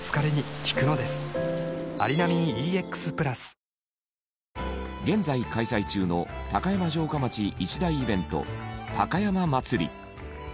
三菱電機現在開催中の高山城下町一大イベント高山祭。